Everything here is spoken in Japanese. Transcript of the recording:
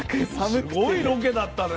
すごいロケだったね。